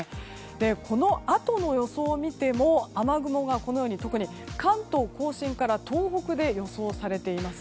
このあとの予想を見ても雨雲が特に関東・甲信から東北で予想されています。